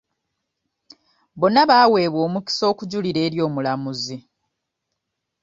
Bonna baaweebwa omukisa okujulira eri omulamuzi.